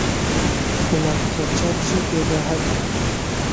Bila ketçap jî tê de hebe.